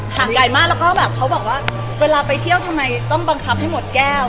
หางใหญ่มากแล้วก็แบบเขาบอกว่าเวลาไปเที่ยวทำไมต้องบังคับให้หมดแก้ว